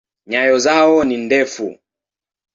Nyayo zao ni ndefu.